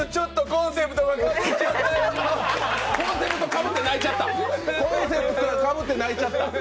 コンセプトかぶって泣いちゃった。